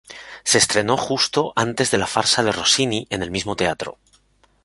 Se estrenó justo antes de la farsa de Rossini en el mismo teatro.